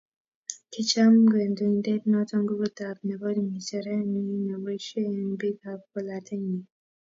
Kicham kandoindet noto nguvut ab nebo ngecheret nyi neboishei eng bik ab polatet nyi.